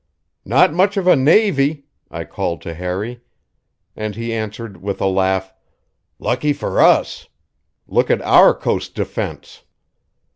"Not much of a navy," I called to Harry; and he answered, with a laugh: "Lucky for us! Look at our coast defense!"